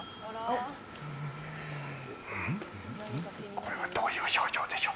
これはどういう表情でしょう